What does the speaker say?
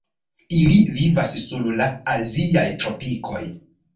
Ili vivas sur la aziaj tropikoj.